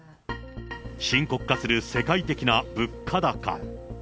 深刻化する世界的な物価高。